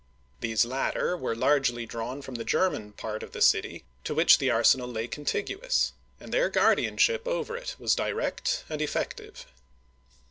These latter were largely drawn from the German part of the city, to which the arsenal lay contigu ous, and their guardianship over it was direct and effective.